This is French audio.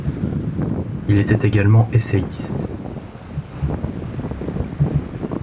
Il était également essayiste.